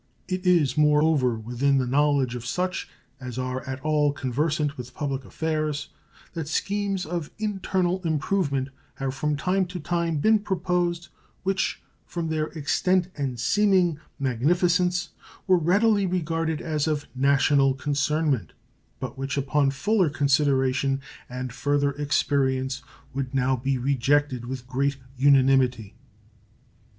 It is, more over, within the knowledge of such as are at all conversant with public affairs that schemes of internal improvement have from time to time been proposed which, from their extent and seeming magnificence, were readily regarded as of national concernment, but which upon fuller consideration and further experience would now be rejected with great unanimity.